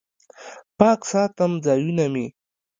پاک ساتم ځایونه مې